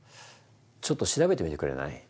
ちょっと調べてみてくれない？